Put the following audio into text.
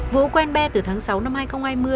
vũ quen be từ tháng sáu năm hai nghìn hai mươi